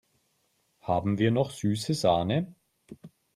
Haben wir noch süße Sahne?